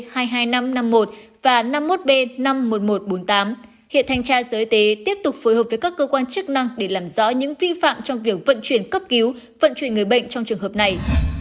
hiện thanh tra sở y tế tiếp tục phối hợp với các cơ quan chức năng để làm rõ những vi phạm trong việc vận chuyển cấp cứu vận chuyển người bệnh trong trường hợp này